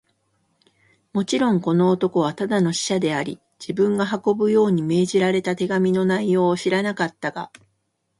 もちろん、この男はただの使者であり、自分が運ぶように命じられた手紙の内容を知らなかったが、